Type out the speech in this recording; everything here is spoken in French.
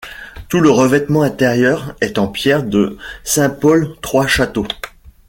Tout le revêtement intérieur est en pierre de Saint-Paul-Trois-Châteaux.